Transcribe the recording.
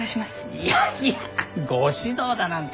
いやいやご指導だなんて。